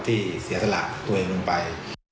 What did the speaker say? เสียสละตัวเองลงไป